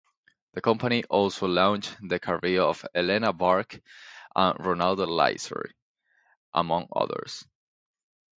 The company also launched the careers of Elena Burke and Rolando Laserie, among others.